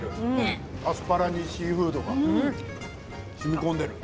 アスパラにシーフードがしみこんでいる。